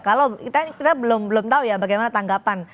kalau kita belum tahu ya bagaimana tanggapan